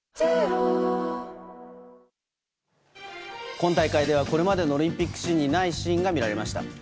今大会ではこれまでのオリンピック史にないシーンが見られました。